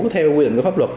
theo quy định của pháp luật